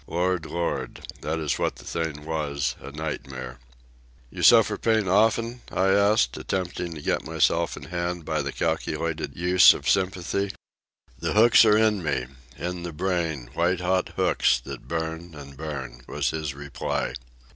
Lord, Lord! that is what the thing was, a nightmare. "You suffer pain often?" I asked, attempting to get myself in hand by the calculated use of sympathy. "The hooks are in me, in the brain, white hot hooks that burn an' burn," was his reply.